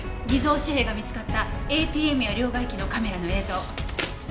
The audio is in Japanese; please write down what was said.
偽造紙幣が見つかったＡＴＭや両替機のカメラの映像。